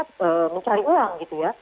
tetapi dengan kondisi itu